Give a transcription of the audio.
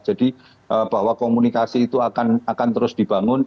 jadi bahwa komunikasi itu akan terus dibangun